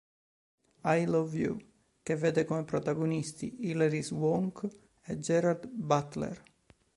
I Love You", e che vede protagonisti Hilary Swank e Gerard Butler.